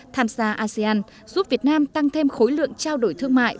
tham gia asean giúp việt nam tăng thêm khối lượng trao đổi thương mại